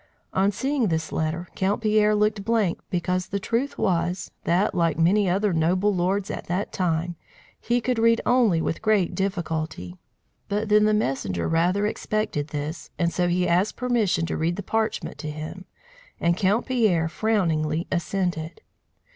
On seeing this letter, Count Pierre looked blank because the truth was, that, like many other noble lords at that time, he could read only with great difficulty. But then the messenger rather expected this, and so he asked permission to read the parchment to him, and Count Pierre frowningly assented.